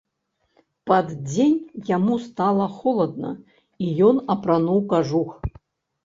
Пад дзень яму стала холадна, і ён апрануў кажух.